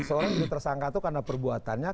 seorang tersangka itu karena perbuatannya